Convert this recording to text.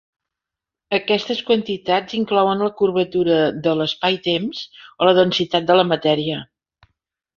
Aquestes quantitats inclouen la curvatura de l'espaitemps o la densitat de la matèria.